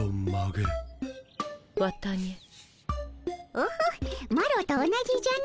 オホマロと同じじゃの。